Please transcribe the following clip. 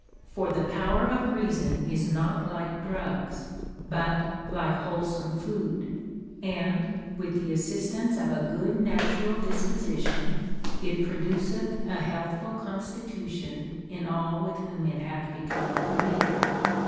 For the power of reason is not like drugs, but like wholesome food ; and, with the assistance of a good natural disposition, it produceth a healthful constitution in all with whom it hath . become familiar.